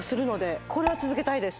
これは続けたいです。